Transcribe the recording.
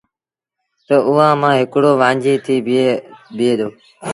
تا اُئآݩ مآݩ هڪڙو وآنجھي تي بيٚهي دو۔